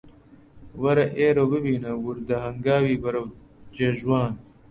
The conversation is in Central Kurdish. وەرە ئێرە و ببینە وردە هەنگاوی بەرەو جێژوان